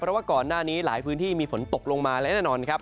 เพราะว่าก่อนหน้านี้หลายพื้นที่มีฝนตกลงมาและแน่นอนครับ